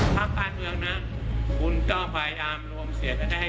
ภาพภาคเมืองนะคุณต้องพยายามรวมเสียจะได้๓๗๖